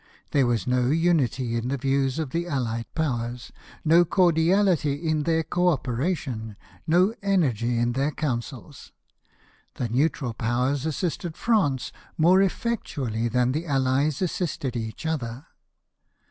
There was no unity in the views of the Allied Powers, no cordiality in their co operation, no energy in their councils. The neutral Powers assisted France more effectually than the Allies assisted each other.